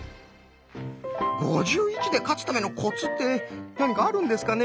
「５１」で勝つためのコツって何かあるんですかね？